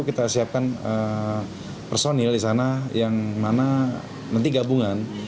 kita siapkan personil di sana yang mana nanti gabungan